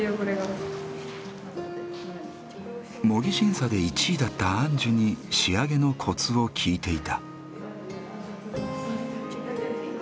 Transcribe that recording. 模擬審査で１位だったアンジュに仕上げのコツを聞いていた。